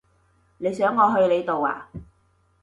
你想我去你度呀？